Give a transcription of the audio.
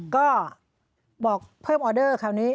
ก็บอกเพิ่มออเดอร์คราวนี้